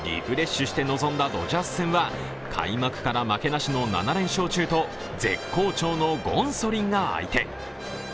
リフレッシュして臨んだドジャース戦は開幕から負けなしの７連勝中と絶好調のゴンソリンが相手。